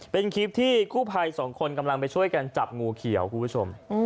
เป็นคลิปที่กู้ภัยสองคนกำลังไปช่วยกันจับงูเขียวคุณผู้ชม